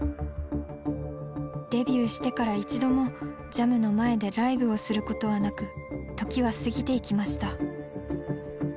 デビューしてから一度もＪＡＭの前でライブをすることはなく時は過ぎていきました。